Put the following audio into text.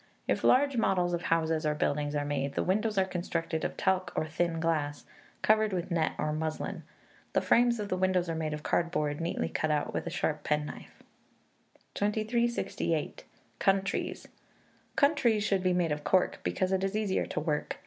If large models of houses or buildings are made, the windows are constructed of talc or thin glass, covered with net or muslin. The frames of the windows are made of cardboard, neatly cut out with a sharp penknife. 2368. Countries. Countries should be made of cork, because it is easier to work.